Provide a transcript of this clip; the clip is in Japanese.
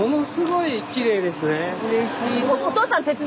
うれしい。